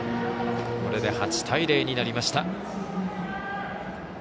これで８対０になりました。